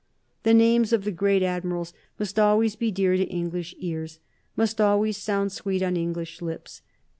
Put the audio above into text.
The names of the great admirals must always be dear to English ears, must always sound sweet on English lips.